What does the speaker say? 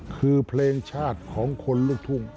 คือเพลงชาติของคนรภุม